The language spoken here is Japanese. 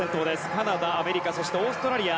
カナダ、アメリカそしてオーストラリア。